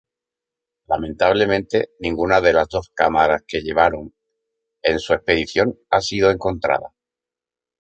Lamentablemente, ninguna de las dos cámaras que llevaron en su expedición ha sido encontrada.